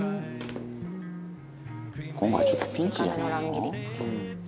「今回ちょっとピンチじゃないの？」